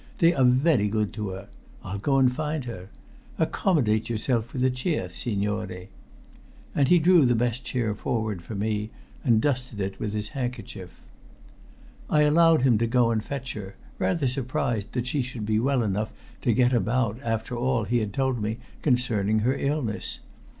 They are very good to her. I'll go and find her. Accommodate yourself with a chair, signore." And he drew the best chair forward for me, and dusted it with his handkerchief. I allowed him to go and fetch her, rather surprised that she should be well enough to get about after all he had told me concerning her illness.